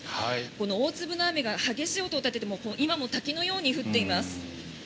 大粒の雨が激しい音を立てて今も滝のように降っています。